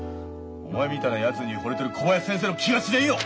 お前みたいなやつにほれてる小林先生の気が知れんよ！